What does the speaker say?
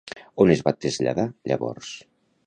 On es va traslladar llavors?